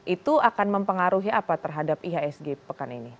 itu akan mempengaruhi apa terhadap ihsg pekan ini